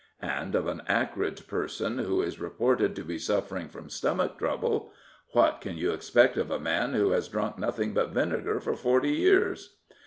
And of an acrid person who is reported to be suffering from stomach trouble —'' What can you expect of a man who has drunk nothing but vinegar for forty years